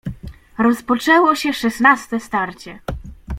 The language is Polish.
"Rozpoczęło się szesnaste starcie."